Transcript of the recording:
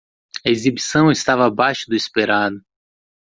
A exibição estava abaixo do esperado.